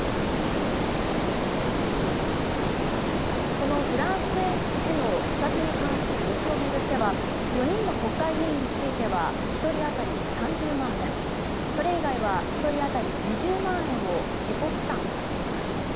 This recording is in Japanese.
このフランスへの視察に関する旅費を巡っては４人の国会議員については１人当たり３０万円それ以外は１人当たり２０万円を自己負担しています。